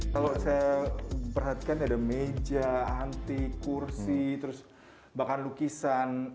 kalau saya perhatikan ada meja anti kursi terus bahkan lukisan